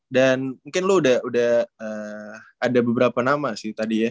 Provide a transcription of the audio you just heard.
mungkin lu udah ada beberapa nama sih tadi ya